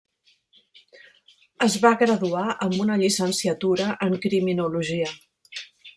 Es va graduar amb una llicenciatura en criminologia.